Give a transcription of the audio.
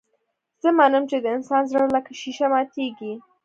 زه منم چې د انسان زړه لکه ښيښه ماتېږي.